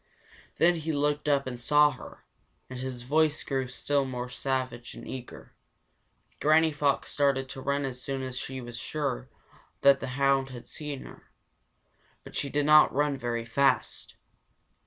Then he looked up and saw her, and his voice grew still more savage and eager. Granny Fox started to run as soon as she was sure that the hound had seen her, but she did not run very fast.